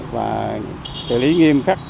và xử lý nghiêm khắc